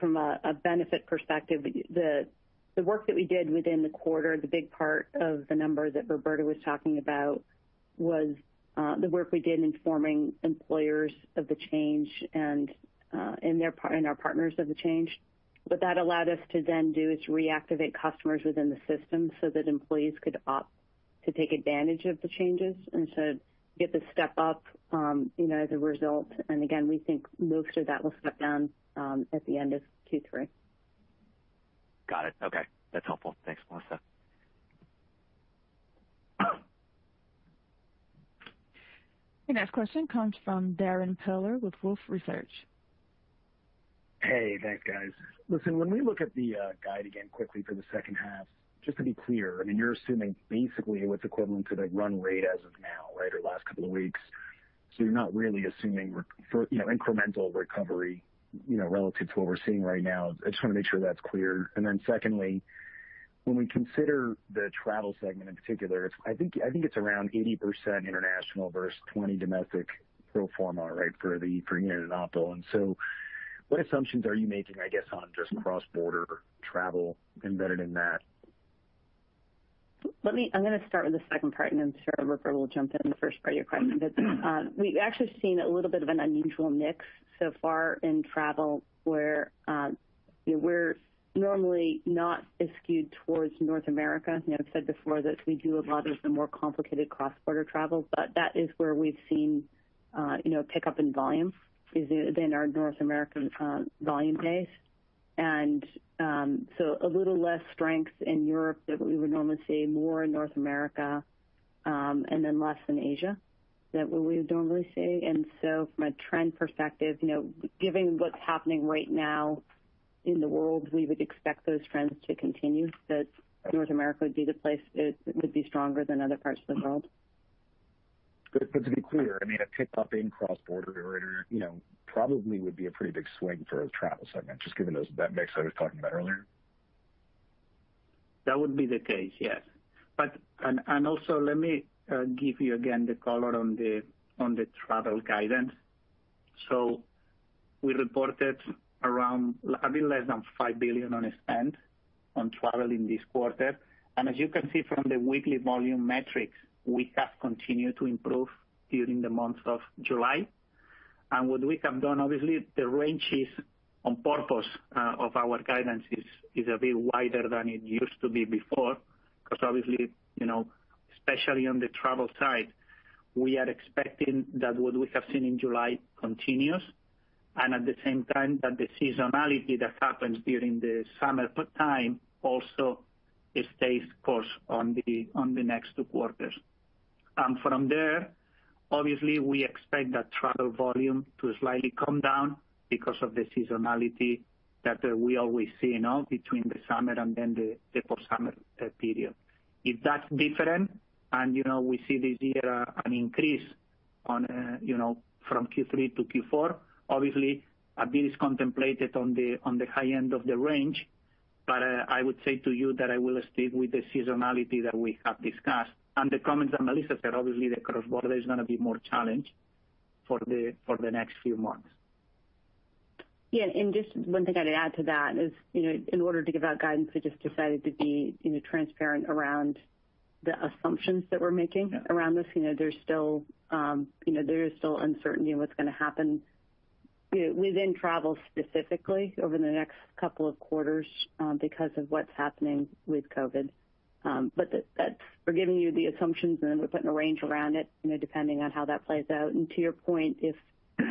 From a benefit perspective, the work that we did within the quarter, the big part of the number that Roberto was talking about was the work we did informing employers of the change and our partners of the change. What that allowed us to then do is reactivate customers within the system so that employees could opt to take advantage of the changes and so get the step up as a result. Again, we think most of that will step down at the end of Q3. Got it. Okay, that's helpful. Thanks, Melissa. Your next question comes from Darrin Peller with Wolfe Research. Hey, thanks guys. Listen, when we look at the guide again quickly for the second half, just to be clear, I mean, you're assuming basically what's equivalent to the run rate as of now, right, or the last couple of weeks. You're not really assuming incremental recovery relative to what we're seeing right now. I just want to make sure that's clear. Secondly, when we consider the Travel and Corporate Solutions segment in particular, I think it's around 80% international versus 20 domestic pro forma, right, for eNett and Optal. What assumptions are you making, I guess, on just cross-border travel embedded in that? I'm going to start with the second part, and I'm sure Roberto will jump in on the first part of your question. We've actually seen a little bit of an unusual mix so far in Travel where we're normally not as skewed towards North America. I've said before that we do a lot of the more complicated cross-border travels, but that is where we've seen a pickup in volume within our North American volume base. A little less strength in Europe than what we would normally see, more in North America, and then less in Asia than what we would normally see. From a trend perspective, given what's happening right now in the world, we would expect those trends to continue, that North America would be the place that would be stronger than other parts of the world. To be clear, I mean, a pickup in cross-border probably would be a pretty big swing for a Travel segment, just given that mix I was talking about earlier. That would be the case, yes. Also, let me give you again the color on the Travel guidance. We reported around a bit less than $5 billion on spend on Travel in this quarter. As you can see from the weekly volume metrics, we have continued to improve during the month of July. What we have done, obviously, the range is on purpose of our guidance is a bit wider than it used to be before because obviously, especially on the Travel side, we are expecting that what we have seen in July continues, and at the same time, that the seasonality that happens during the summer time also stays course on the next two quarters. From there, obviously, we expect that Travel volume to slightly come down because of the seasonality that we always see between the summer and then the post-summer period. If that's different and we see this year an increase from Q3 to Q4. Obviously, a bit is contemplated on the high end of the range. I would say to you that I will stick with the seasonality that we have discussed and the comments that Melissa said, obviously, the cross-border is going to be more challenged for the next few months. Yeah. Just one thing I'd add to that is, in order to give out guidance, we just decided to be transparent around the assumptions that we're making. Yeah around this. There is still uncertainty in what's going to happen within Travel specifically over the next two quarters because of what's happening with COVID-19. We're giving you the assumptions, and then we're putting a range around it depending on how that plays out. To your point, if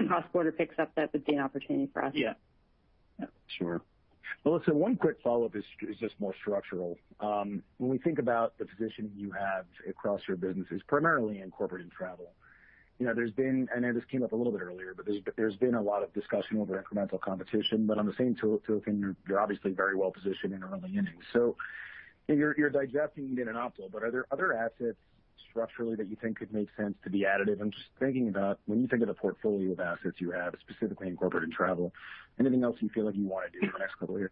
cross-border picks up, that would be an opportunity for us. Yeah. Yeah, sure. Melissa, one quick follow-up is just more structural. When we think about the position you have across your businesses, primarily in Corporate and Travel, there's been, and this came up a little bit earlier, there's been a lot of discussion over incremental competition. On the same token, you're obviously very well-positioned in early innings. You're digesting eNett, are there other assets structurally that you think could make sense to be additive? I'm just thinking about when you think of the portfolio of assets you have, specifically in Corporate and Travel, anything else you feel like you want to do in the next two years?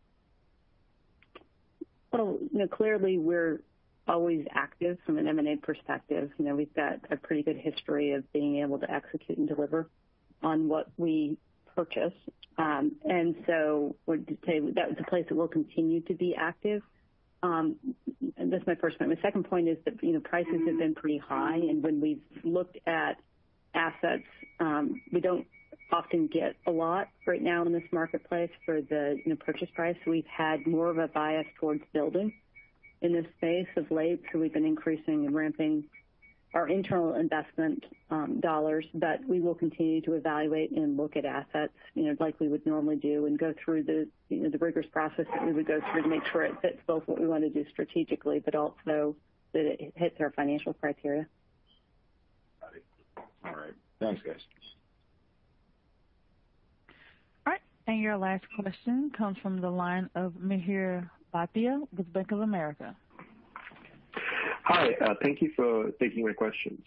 Well, clearly we're always active from an M&A perspective. We've got a pretty good history of being able to execute and deliver on what we purchase. I would say that's a place that we'll continue to be active. That's my first point. My second point is that prices have been pretty high, and when we've looked at assets we don't often get a lot right now in this marketplace for the purchase price. We've had more of a bias towards building in this space of late, so we've been increasing and ramping our internal investment dollars. We will continue to evaluate and look at assets like we would normally do and go through the rigorous process that we would go through to make sure it fits both what we want to do strategically, but also that it hits our financial criteria. All right. Thanks, guys. All right. Your last question comes from the line of Mihir Bhatia with Bank of America. Hi. Thank you for taking my questions.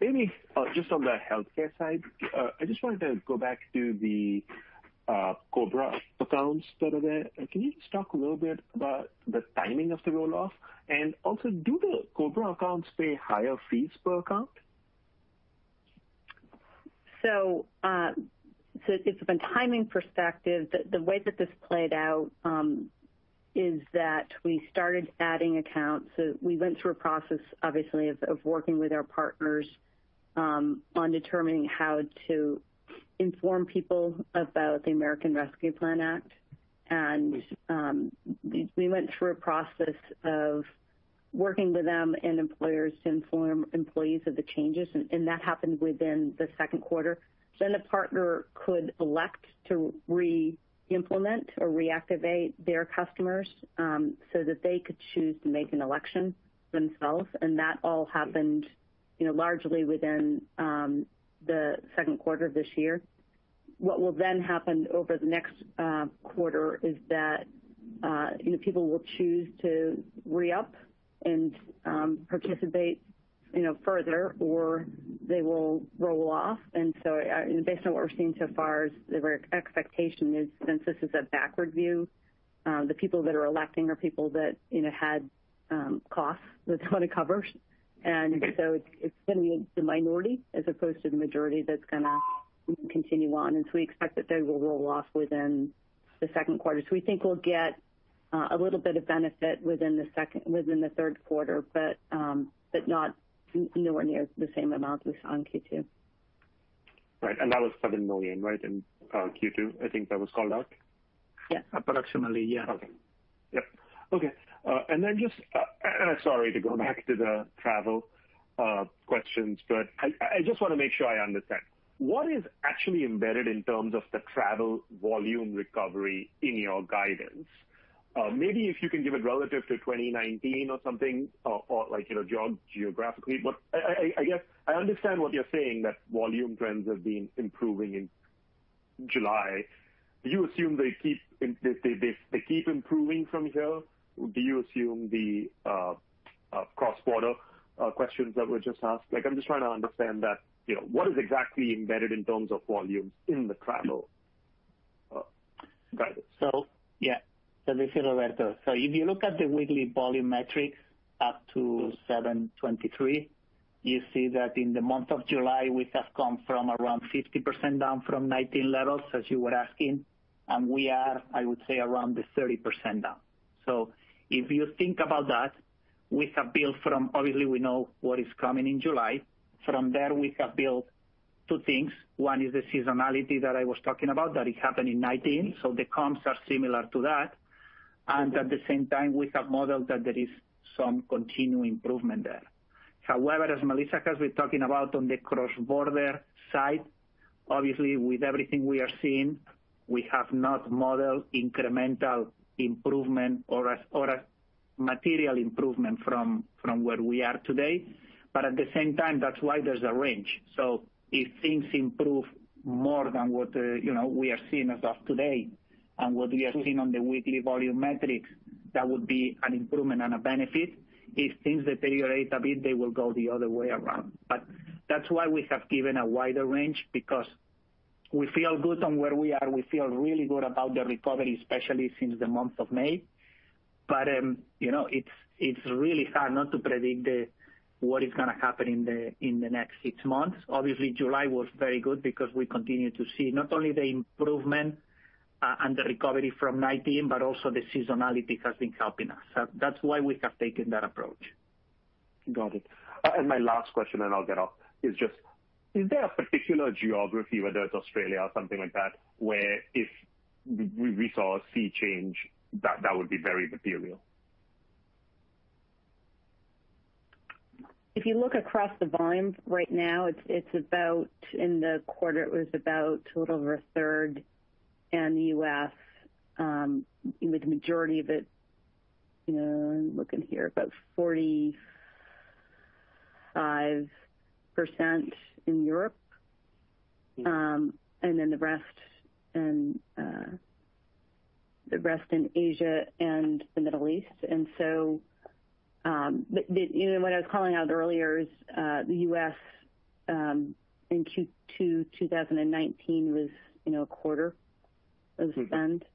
Maybe just on the Healthcare side, I just wanted to go back to the COBRA accounts that are there. Can you just talk a little bit about the timing of the roll-off, and also do the COBRA accounts pay higher fees per account? From a timing perspective, the way that this played out is that we started adding accounts. We went through a process, obviously, of working with our partners on determining how to inform people about the American Rescue Plan Act. We went through a process of working with them and employers to inform employees of the changes. That happened within the second quarter. A partner could elect to re-implement or reactivate their customers so that they could choose to make an election themselves, and that all happened largely within the second quarter of this year. What will then happen over the next quarter is that people will choose to re-up and participate further, or they will roll off. Based on what we're seeing so far, the expectation is, since this is a backward view, the people that are electing are people that had costs that they want to cover. It's going to be the minority as opposed to the majority that's going to continue on. We expect that they will roll off within the second quarter. We think we'll get a little bit of benefit within the third quarter, but nowhere near the same amount as on Q2. Right. That was $7 million, right, in Q2? I think that was called out. Yeah. Approximately, yeah. Okay. Yep. Okay. Then just, sorry to go back to the Travel questions, but I just want to make sure I understand. What is actually embedded in terms of the Travel volume recovery in your guidance? Maybe if you can give it relative to 2019 or something or geographically. I guess I understand what you're saying, that volume trends have been improving in July. Do you assume they keep improving from here? Do you assume the cross-border questions that were just asked? I'm just trying to understand that. What is exactly embedded in terms of volumes in the Travel guidance? Yeah. This is Roberto. If you look at the weekly volume metrics up to 7/23, you see that in the month of July, we have come from around 50% down from 2019 levels, as you were asking, and we are, I would say, around the 30% down. From there, we have built two things. One is the seasonality that I was talking about, that it happened in 2019. The comps are similar to that. At the same time, we have modeled that there is some continuing improvement there. However, as Melissa has been talking about on the cross-border side, obviously with everything we are seeing, we have not modeled incremental improvement or a material improvement from where we are today. At the same time, that's why there's a range. If things improve more than what we are seeing as of today and what we are seeing on the weekly volume metrics. That would be an improvement and a benefit. If things deteriorate a bit, they will go the other way around. That's why we have given a wider range, because we feel good on where we are. We feel really good about the recovery, especially since the month of May. It's really hard not to predict what is going to happen in the next six months. Obviously, July was very good because we continued to see not only the improvement and the recovery from COVID-19, but also the seasonality has been helping us. That's why we have taken that approach. Got it. My last question, and I'll get off, is just, is there a particular geography, whether it's Australia or something like that, where if we saw a sea change, that would be very material? If you look across the volumes right now, in the quarter, it was about a little over a third in the U.S., with the majority of it, I'm looking here, about 45% in Europe. Yeah. The rest in Asia and the Middle East. What I was calling out earlier is, the U.S. in Q2 2019 was a quarter of spend. Mm-hmm.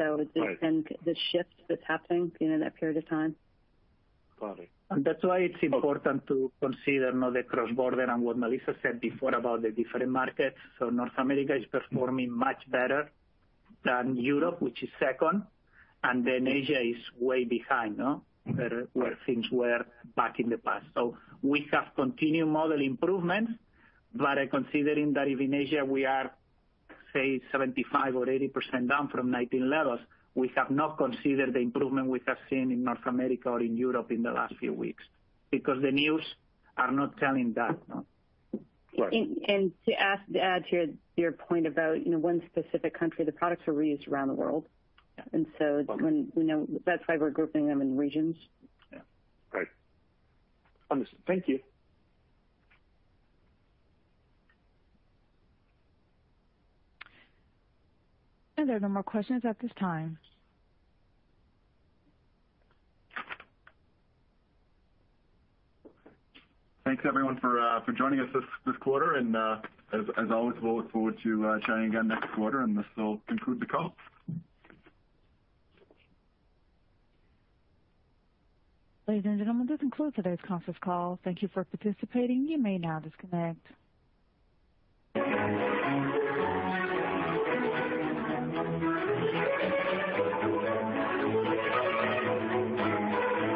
Right. The shift that's happening in that period of time. Got it. That's why it's important to consider now the cross-border and what Melissa said before about the different markets. North America is performing much better than Europe, which is second, and then Asia is way behind where things were back in the past. We have continued model improvements, but considering that even Asia, we are, say 75% or 80% down from 2019 levels, we have not considered the improvement we have seen in North America or in Europe in the last few weeks, because the news are not telling that. Right. To add to your point about one specific country, the products are reused around the world. Yeah. That's why we're grouping them in regions. Yeah. Great. Understood. Thank you. There are no more questions at this time. Thanks, everyone, for joining us this quarter, and as always, we'll look forward to chatting again next quarter. This will conclude the call. Ladies and gentlemen, this concludes today's conference call. Thank you for participating. You may now disconnect.